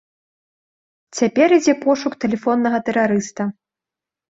Цяпер ідзе пошук тэлефоннага тэрарыста.